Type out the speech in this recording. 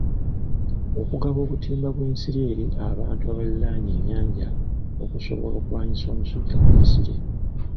Okugaba obutimba bw'ensiri eri abantu abaliraanye ennyanja okusobola okulwanisa omusujja gw'ensiri.